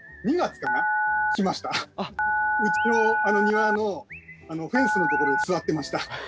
うちの庭のフェンスのところに座ってました。